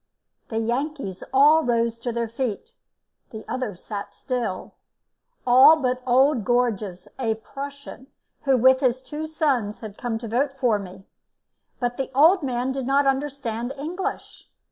The Yankees all rose to their feet, the others sat still, all but old Gorges, a Prussian, who, with his two sons, had come to vote for me. But the old man did not understand English.